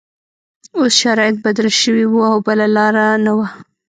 اوس شرایط بدل شوي وو او بله لاره نه وه